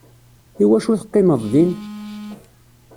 Iwacu teqqimeḍ din?